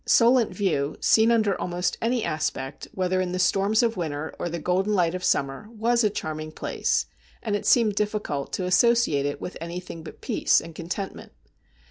Solent View, seen under almost any aspect, whether in the storms of winter or the golden light of summer, was a charm ing place, and it seemed difficult to associate it with anything but peace and contentment.